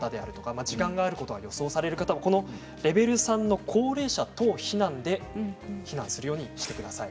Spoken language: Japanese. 時間がかかる方はレベル３の高齢者等避難で避難するようにしてください。